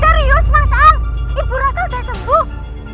serius mas al ibu rosa udah sembuh